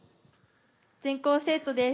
全校生徒です。